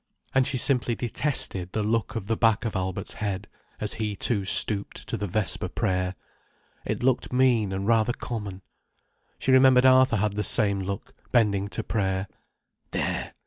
And she simply detested the look of the back of Albert's head, as he too stooped to the vesper prayer. It looked mean and rather common. She remembered Arthur had the same look, bending to prayer. There!